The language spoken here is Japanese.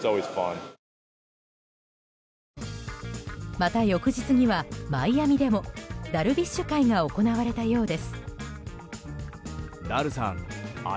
また翌日にはマイアミでもダルビッシュ会が行われたようです。